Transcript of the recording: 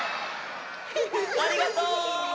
ありがとう！